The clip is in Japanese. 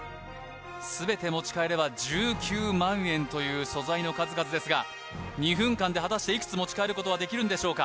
全て持ち帰れば１９万円という素材の数々ですが２分間で果たしていくつ持ち帰ることができるんでしょうか？